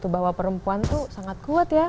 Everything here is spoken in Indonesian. bahwa perempuan itu sangat kuat ya